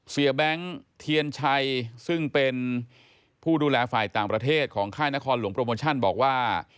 แบงค์เทียนชัยซึ่งเป็นผู้ดูแลฝ่ายต่างประเทศของค่ายนครหลวงโปรโมชั่นบอกว่า